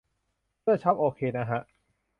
เสื้อช็อปโอเคนะฮะ